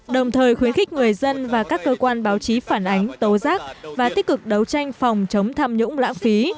đồng thời khuyến khích người dân và các cơ quan báo chí phản ánh tố giác và tích cực đấu tranh phòng chống tham nhũng lãng phí